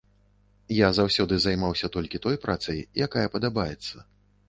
Я заўсёды займаўся толькі той працай, якая падабаецца.